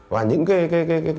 và những cái